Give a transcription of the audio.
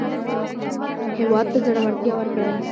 هېواد ته زړورتیا ورکړئ